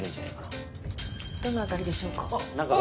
どの辺りでしょうか？